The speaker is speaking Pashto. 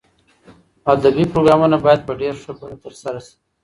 ادبي پروګرامونه باید په ډېر ښه بڼه ترسره شي.